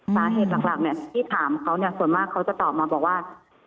สาเหตุหลักที่ถามเขาส่วนมากเขาจะตอบมาบอกว่า